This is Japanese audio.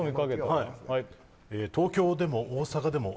はい「東京でも大阪でも」